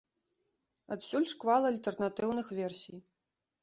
Адсюль шквал альтэрнатыўных версій.